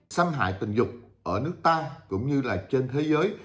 xâm hại tình dục ở nước ta cũng như là trên thế giới